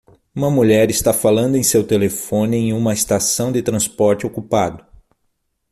Uma mulher está falando em seu telefone em uma estação de transporte ocupado.